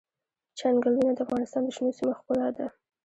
چنګلونه د افغانستان د شنو سیمو ښکلا ده.